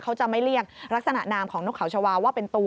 เขาจะไม่เรียกลักษณะนามของนกเขาชาวาว่าเป็นตัว